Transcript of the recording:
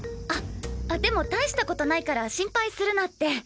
あでも大したことないから心配するなって。